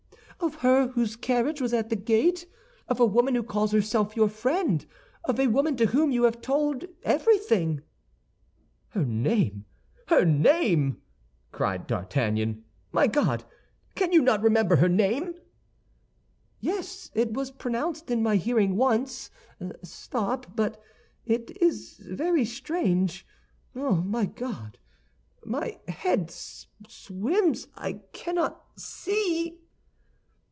"Of her whose carriage was at the gate; of a woman who calls herself your friend; of a woman to whom you have told everything." "Her name, her name!" cried D'Artagnan. "My God, can you not remember her name?" "Yes, it was pronounced in my hearing once. Stop—but—it is very strange—oh, my God, my head swims! I cannot see!"